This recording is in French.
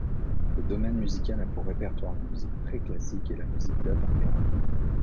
Le Domaine musical a pour répertoire la musique préclassique et la musique d'avant-garde.